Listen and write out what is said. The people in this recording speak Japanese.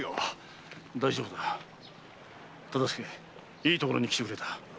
いいところに来てくれた。